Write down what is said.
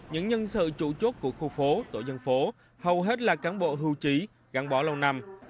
những nhân sự trụ trốt của khu phố tổ nhân phố hầu hết là cán bộ hưu trí gắn bỏ lâu năm